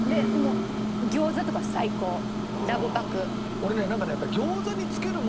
俺ねなんかねやっぱり。